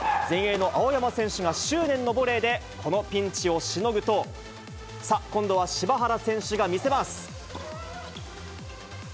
前衛の青山選手が執念のボレーで、このピンチをしのぐと、さあ、今度は柴原選手が見せます。